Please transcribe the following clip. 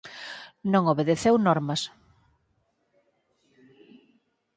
Non obedeceu normas.